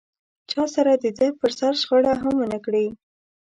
چا سره دده پر سر شخړه هم و نه کړي.